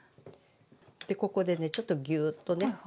でここでねちょっとぎゅっとね。